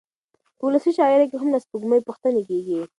په ولسي شاعرۍ کې هم له سپوږمۍ پوښتنې کېږي.